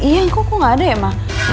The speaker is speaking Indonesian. ya kok gak ada ya ma